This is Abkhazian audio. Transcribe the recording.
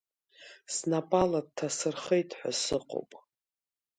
Снапала дҭасырхеит ҳәа сыҟоуп.